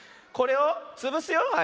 これをつぶすよ。